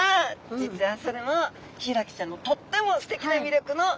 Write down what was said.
実はそれもヒイラギちゃんのとってもすてきな魅力の一つなんです。